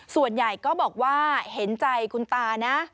ส่วนใหญ่ก็บอกว่าเห็นใจคุณตานะ